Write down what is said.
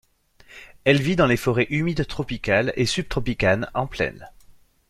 Elle vit dans les forêts humides tropicales et subtropicales en plaine.